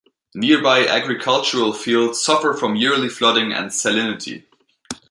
Nearby agricultural fields suffer from yearly flooding and salinity.